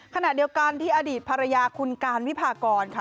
ขณะเดียวกันที่อดีตภรรยาคุณการวิพากรค่ะ